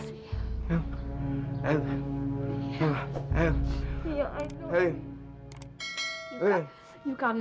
bisa bantu kita